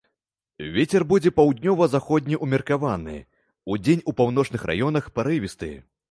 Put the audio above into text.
Вецер будзе паўднёва-заходні ўмеркаваны, удзень у паўночных раёнах парывісты.